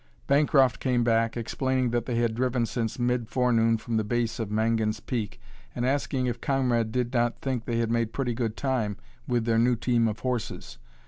Bancroft came back, explaining that they had driven since mid forenoon from the base of Mangan's Peak, and asking if Conrad did not think they had made pretty good time with their new team of horses.